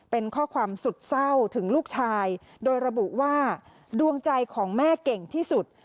เป็นข้อความสุดเศร้าถึงลูกชายโดยระบุว่าดวงใจของแม่เก่งที่สุด